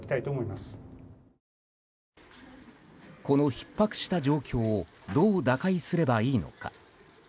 このひっ迫した状況をどう打開すればいいのか。